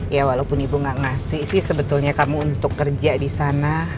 ya walaupun ibu gak ngasih sih sebetulnya kamu untuk kerja di sana